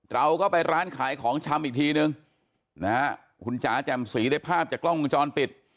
เราก็ไปร้านขายของชำอีกทีนึงนะฮะคุณจ๋าแจ่มสีได้ภาพจากกล้องวงจรปิด